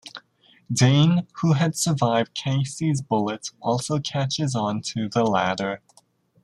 Dane, who had survived Casey's bullet, also catches on to the ladder.